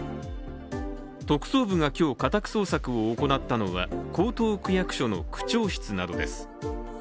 特捜部が今日家宅捜索を行ったのは江東区役所の区長室などです。